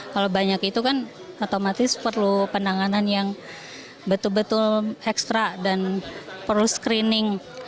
kalau banyak itu kan otomatis perlu penanganan yang betul betul ekstra dan perlu screening